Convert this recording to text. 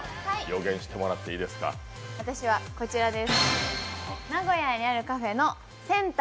私はこちらです。